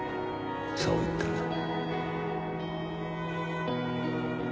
そう言ったんだ